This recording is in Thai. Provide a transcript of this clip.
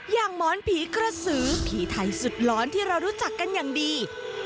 หมอนผีกระสือผีไทยสุดร้อนที่เรารู้จักกันอย่างดี